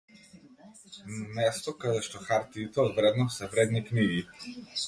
Место каде што хартиите од вредност се вредни книги.